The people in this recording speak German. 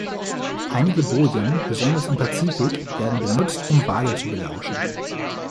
Einige Bojen, besonders im Pazifik, werden benutzt, um Wale zu belauschen.